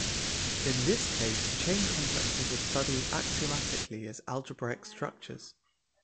In this case, chain complexes are studied axiomatically as algebraic structures.